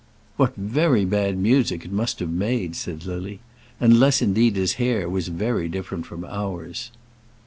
"What very bad music it must have made," said Lily; "unless, indeed, his hair was very different from ours."